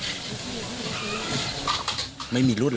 แล้วก็เกงบอลสีแดงค่ะ